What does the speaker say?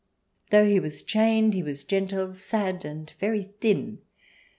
Though he was chained he was gentle, sad, and very thin.